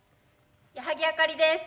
矢作あかりです。